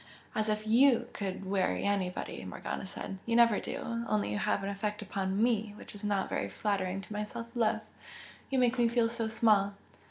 "As if YOU could weary anybody!" Morgana said. "You never do only you have an effect upon ME which is not very flattering to my self love! you make me feel so small!"